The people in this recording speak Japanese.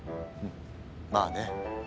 まあね。